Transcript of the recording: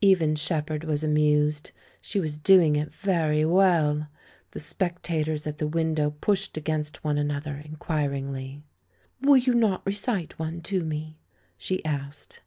Even Shepherd was amused; she was doing it very well. The sj^ectators at the window pushed against one another inquiringly. "Will you not recite one to me?" she asked.